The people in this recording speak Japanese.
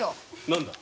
何だ？